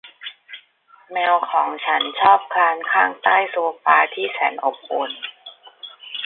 แมวของฉันชอบคลานข้างใต้โซฟาที่แสนอบอุ่น